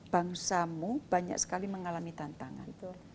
bangsamu banyak sekali mengalami tantangan